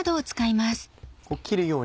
「切るように」